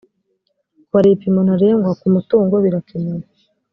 kubara ibipimo ntarengwa ku mutungo birakenewe.